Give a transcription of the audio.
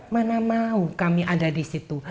mana mau kami ada di situ